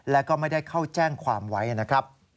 และก็ไม่ได้เข้าแจ้งความไว้นะครับ